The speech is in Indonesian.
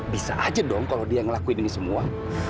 bisa aja dong kalau dia ngelakuin ini semua